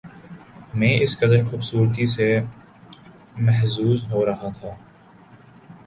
میں اس قدر خوبصورتی سے محظوظ ہو رہا تھا